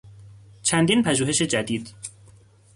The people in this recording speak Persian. چندین پژوهش جدید